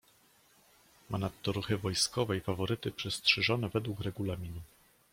"Ma nadto ruchy wojskowe i faworyty przystrzyżone według regulaminu."